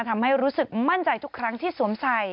ทำให้รู้สึกมั่นใจทุกครั้งที่สวมใส่